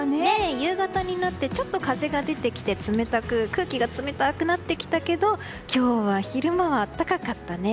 夕方になってちょっと風が出てきて空気が冷たくなってきたけど今日は昼間は暖かかったね。